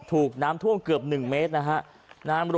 ถูกน้ำท่วมเกือบ๑เมตรนะฮะ